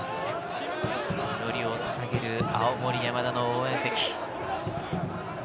祈りをささげる青森山田の応援席。